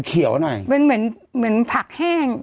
กลิ่นก็เป็นผักแห้ง